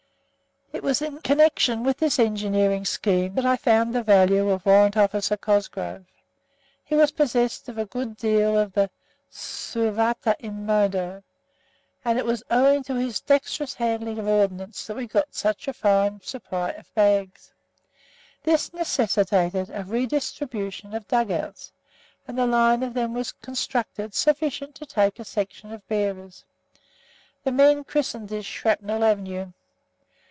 It was in connection with this engineering scheme that I found the value of W.O. Cosgrove. He was possessed of a good deal of the suaviter in modo, and it was owing to his dextrous handling of Ordnance that we got such a fine supply of bags. This necessitated a redistribution of dug outs, and a line of them was constructed sufficient to take a section of bearers. The men christened this "Shrapnel Avenue."